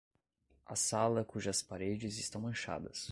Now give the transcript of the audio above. A sala cujas paredes estão manchadas.